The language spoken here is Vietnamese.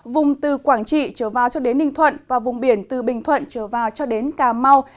vùng từ quảng trị trở vào cho đến ninh thuận và vùng biển từ bình thuận trở vào cho đến cà mau